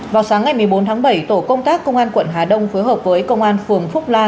vào sáng ngày một mươi bốn tháng bảy tổ công tác công an quận hà đông phối hợp với công an phường phúc la